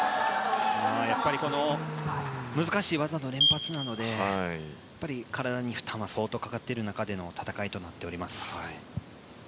やっぱり難しい技の連発なので体に負担は相当かかっている中での戦いとなっております。